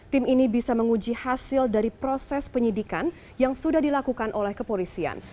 tim ini bisa menguji hasil dari proses penyidikan yang sudah dilakukan oleh kepolisian